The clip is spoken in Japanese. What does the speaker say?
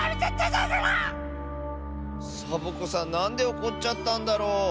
サボ子さんなんでおこっちゃったんだろう。